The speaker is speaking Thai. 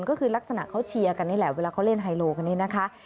ก็คือลักษณะเขาเชียร์กันนี่แหละเวลาเขาเล่นไฮโลกันนี่นะคะ